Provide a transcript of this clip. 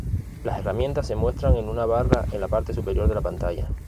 Las herramientas se muestran en una barra en la parte superior de la pantalla.